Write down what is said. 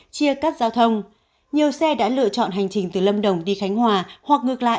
chia cắt giao thông nhiều xe đã lựa chọn hành trình từ lâm đồng đi khánh hòa hoặc ngược lại